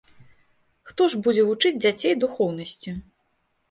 Хто ж будзе вучыць дзяцей духоўнасці?